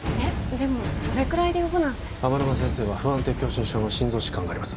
でもそれくらいで呼ぶなんて天沼先生は不安定狭心症の心臓疾患があります